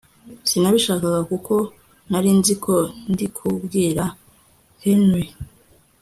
sinabishakaga kuko narinziko ndikubwira Henry